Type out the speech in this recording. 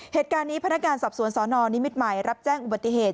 เหตุการณ์นี้พนักงานสอบสวนสนนิมิตรใหม่รับแจ้งอุบัติเหตุ